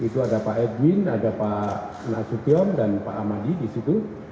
itu ada pak edwin ada pak nasution dan pak amadi disitu